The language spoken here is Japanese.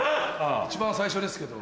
一番最初ですけど。